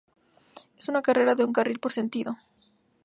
Es una carretera de un carril por sentido.